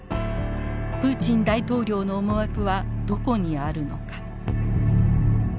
プーチン大統領の思惑はどこにあるのか。